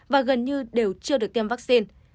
và gần như đều chưa được tiêm vaccine